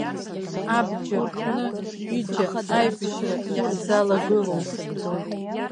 Абџьар кны ҩыџьа аибашьра иаҳзалагылоуп.